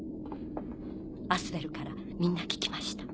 アスベルからみんな聞きました。